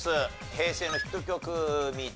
平成のヒット曲３つ。